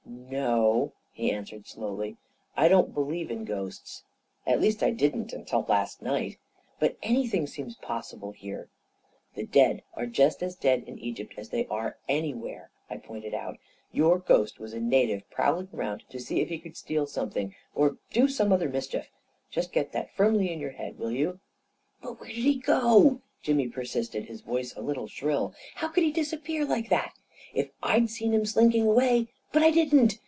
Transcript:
"" No," he answered slowly, " I don't believe in ghosts — at least I didn't until last night. But any thing seems possible here !"" The dead are just as dead in Egypt as they are anywhere," I pointed out. " Your ghost was a na tive prowling around to see if he could steal some thing — or do some other mischief. Just get that firmly in your head, will you ?"" But where did he go ?" Jimmy persisted, his voice a little shrill. " How could he disappear like that? If I'd seen him slinking away — but I didn't!